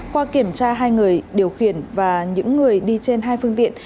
qua kiểm tra hai người điều khiển và những người đi trên hai phương tiện